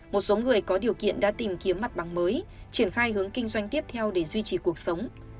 một số người có điều kiện đã tìm kiếm mặt bằng mới triển khai hướng kinh doanh tiếp theo để duy trì cuộc sống